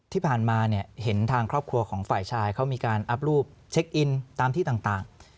ที่ผ่านมาเนี่ยเห็นทางครอบครัวของฝ่ายชายเขามีการอัพรูปเช็คอินตามที่ต่าง